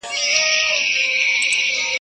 تر ملاغې ئې لاستی دروند سو.